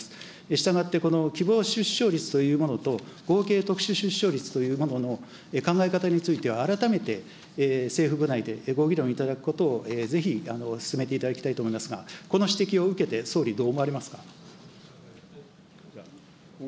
したがってこの希望出生率というものと、合計特殊出生率というものの考え方については、改めて政府内でご議論いただくことを、ぜひ進めていただきたいと思いますが、この指摘を受けて、総理、どう思われますか。